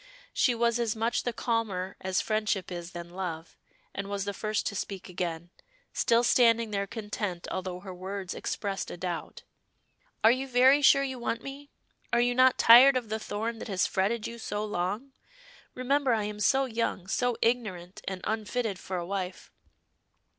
She was as much the calmer as friendship is than love, and was the first to speak again, still standing there content although her words expressed a doubt. "Are you very sure you want me? Are you not tired of the thorn that has fretted you so long? Remember, I am so young, so ignorant, and unfitted for a wife.